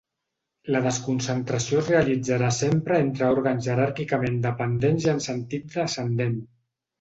La desconcentració es realitzarà sempre entre òrgans jeràrquicament dependents i en sentit descendent.